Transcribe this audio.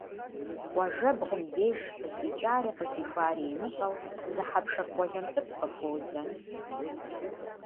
Къуажэбгъум деж, къыздикӏари къыздихуари имыщӏэу зы хьэпшыр къуэлэн цӏыкӏу къыхуозэ.